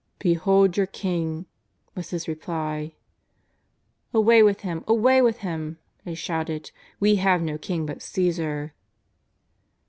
" Behold your King," was his reply. "Away with Him ! away with Him !" they shouted. *^ We have no king but Caesar."